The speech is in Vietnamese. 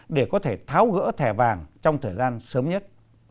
để có thể tháo gỡ thẻ vàng trong thời gian sớm nhất